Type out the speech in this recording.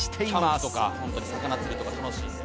キャンプとか魚釣りとか楽しいんで。